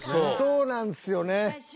そうなんですよね。